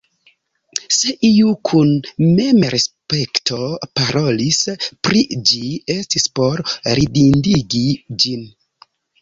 Se iu kun memrespekto parolis pri ĝi, estis por ridindigi ĝin.